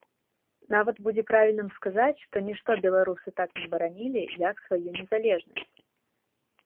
Нават будзе правільным сказаць, што нішто беларусы так не баранілі, як сваю незалежнасць.